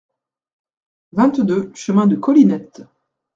vingt-deux chemin de Colinette